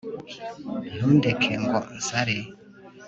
Ntundeke Ngo nsare